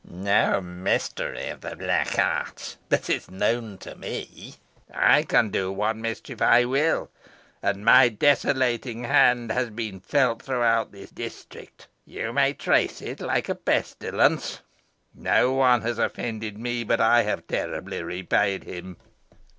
No mystery of the black art but is known to me. I can do what mischief I will, and my desolating hand has been felt throughout this district. You may trace it like a pestilence. No one has offended me but I have terribly repaid him.